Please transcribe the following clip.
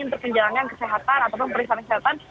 untuk menjalankan kesehatan ataupun pemeriksaan kesehatan